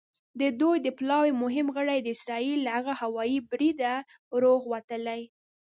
د دوی د پلاوي مهم غړي د اسرائیل له هغه هوايي بریده روغ وتلي.